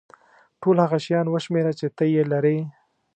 ټول هغه شیان وشمېره چې ته یې لرې.